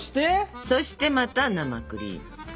そしてまた生クリーム。